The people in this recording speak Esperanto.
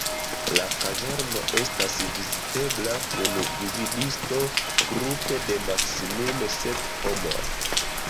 La kaverno estas vizitebla kun gvidisto grupe de maksimume sep homoj.